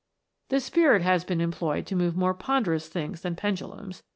The Spirit has been employed to move more >onderous things than pendulums.